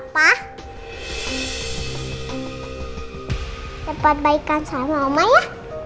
bapak cepat baikkan sama oma ya